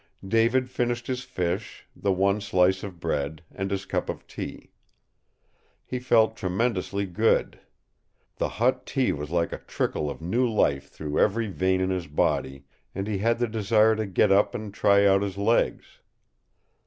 David finished his fish, the one slice of bread, and his cup of tea. He felt tremendously good. The hot tea was like a trickle of new life through every vein in his body, and he had the desire to get up and try out his legs.